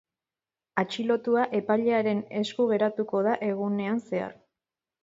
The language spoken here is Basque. Atxilotua epailearen esku geratuko da egunean zehar.